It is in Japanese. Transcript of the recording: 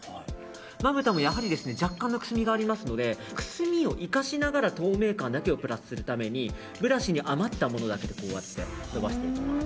まぶたもやはり若干のくすみがありますので、くすみを生かしながら透明感だけをプラスするためにブラシに余ったものだけ飛ばしていきます。